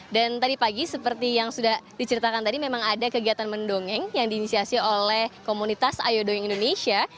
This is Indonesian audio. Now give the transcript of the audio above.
dan tadi pagi seperti yang sudah diceritakan tadi memang ada kegiatan mendongeng yang diinisiasi oleh komunitas ayo dongeng indonesia